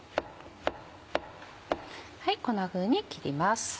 こんなふうに切ります。